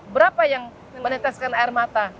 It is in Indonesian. berapa yang meneteskan air mata